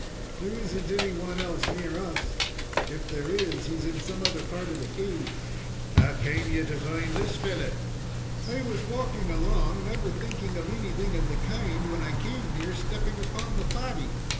"There isn't any one else near us. If there is, he is in some other part of the cave." "How came ye to find this fellow?" "I was walking along, never thinking of anything of the kind, when I came near stepping upon the body.